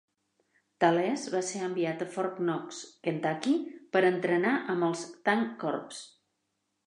Talese va ser enviat a Fort Knox, Kentucky, per entrenar amb els Tank Corps.